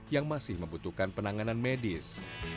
yang masih membutuhkan penanganan medis